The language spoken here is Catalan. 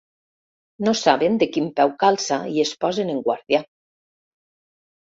No saben de quin peu calça i es posen en guàrdia.